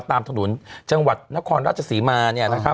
ตามถนนจังหวัดนครราชศรีมา